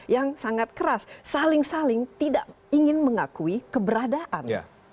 yang sangat keras saling saling tidak ingin mengakui keberadaan